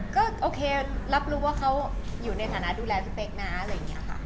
ครั้งแรกที่คุยค่ะที่บอกมาเรียกคุณเลยในฐานะอะไรอย่างนี้ค่ะ